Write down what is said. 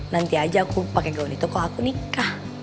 nanti aja aku pakai gaun itu kalau aku nikah